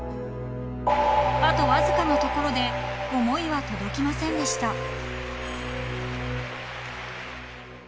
［あとわずかのところで思いは届きませんでした］